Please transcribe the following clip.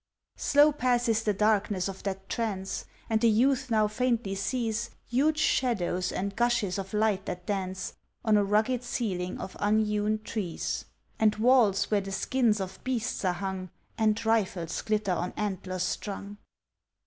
Slow passes the darkness of that trance, And the youth now faintly sees Huge shadows and gushes of light that dance On a rugged ceiling of unhewn trees, And walls where the skins of beasts are hung, And rifles glitter on antlers strung.